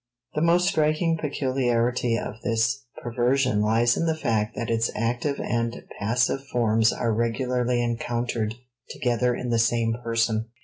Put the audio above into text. The most striking peculiarity of this perversion lies in the fact that its active and passive forms are regularly encountered together in the same person.